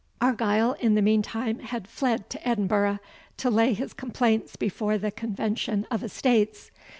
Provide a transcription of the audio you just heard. Argyle in the meantime had fled to Edinburgh, to lay his complaints before the Convention of Estates.